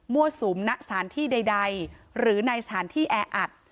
สุมณสถานที่ใดหรือในสถานที่แออัด